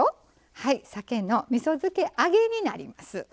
さけのみそ漬け揚げになります。